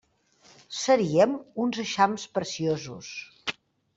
Seríem uns eixams preciosos!